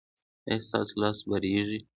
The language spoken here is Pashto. ایا ستاسو لاس به ریږدي؟